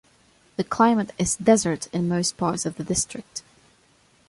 The climate is desert in most parts of the district.